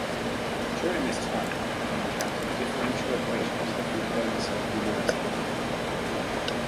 During this time, he encountered differential equations that he could only solve numerically.